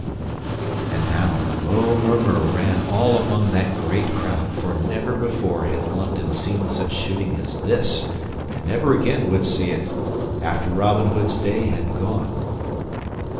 And now a low murmur ran all among that great crowd, for never before had London seen such shooting as this; and never again would it see it after Robin Hood's day had gone.